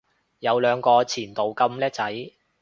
有兩個前度咁叻仔